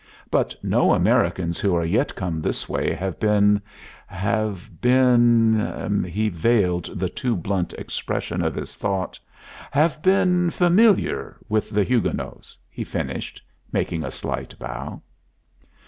"But no Americans who are yet come this way have been have been" he veiled the too blunt expression of his thought "have been familiar with The Huguenots," he finished, making a slight bow.